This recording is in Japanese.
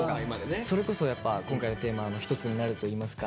それこそやっぱ今回のテーマの一つになるといいますか。